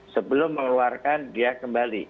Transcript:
sebelum mengeluarkan dia kembali